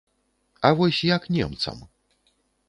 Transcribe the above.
А вось як немцам?